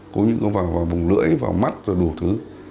có những cái vào vùng lưỡi vào mắt rồi đủ thứ